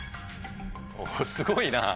おすごいな。